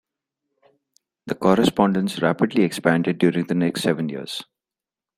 The correspondence rapidly expanded during the next seven years.